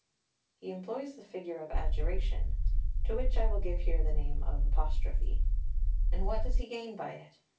He employs the figure of adjuration, to which I will here give the name of Apostrophe. And what does he gain by it?